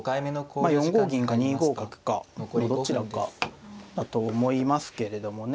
まあ４五銀か２五角かのどちらかだと思いますけれどもね。